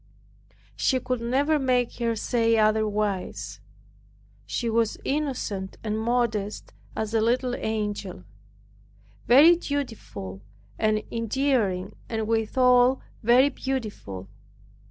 She could never make her say otherwise. She was innocent and modest as a little angel; very dutiful and endearing, and withal very beautiful.